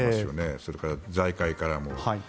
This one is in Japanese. それから、財界からも。